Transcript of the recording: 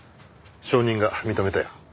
証人が認めたよ。